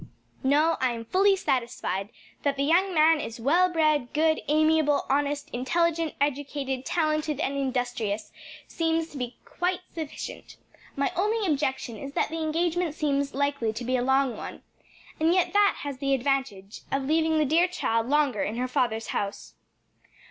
"No, I am fully satisfied; that the young man is well bred, good, amiable, honest, intelligent, educated, talented and industrious seems to me quite sufficient. My only objection is that the engagement seems likely to be a long one. And yet that has the advantage of leaving the dear child longer in her father's house."